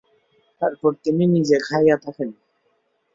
তারপর তিনি নিজে খাইয়া থাকেন।